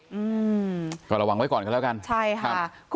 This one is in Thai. อืมก็ระวังไว้ก่อนกันแล้วกันใช่ค่ะ